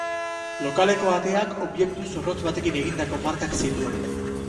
Lokaleko ateak objektu zorrotz batekin egindako markak zituen.